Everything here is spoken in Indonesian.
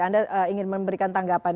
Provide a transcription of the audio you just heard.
anda ingin memberikan tanggapan